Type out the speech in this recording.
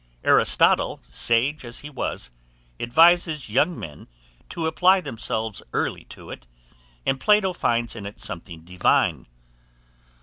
Aristotle, sage as he was, advises young men to apply themselves early to it; and Plato finds in it something divine.